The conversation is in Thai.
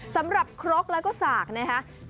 สำหรับครกแล้วก็สากนะคะ